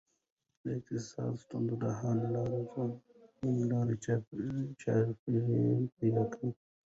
د اقتصادي ستونزو د حل لپاره ځوانان نوي لاري چاري پیدا کوي.